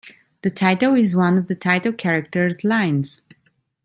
The title is one of the title character's lines.